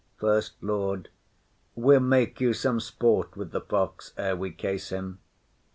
SECOND LORD. We'll make you some sport with the fox ere we case him.